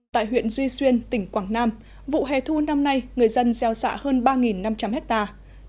tại huyện duy xuyên tỉnh quảng nam vụ hè thu năm nay người dân gieo xạ hơn ba năm trăm linh hectare